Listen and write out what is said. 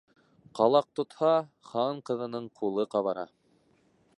Ҡалаҡ тотһа, хан ҡыҙының ҡулы ҡабара.